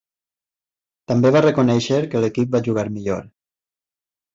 També va reconèixer que l'equip va "jugar millor".